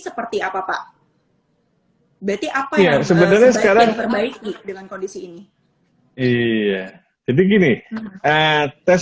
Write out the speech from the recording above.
seperti apa pak berarti apa yang sebenarnya diperbaiki dengan kondisi ini iya jadi gini tes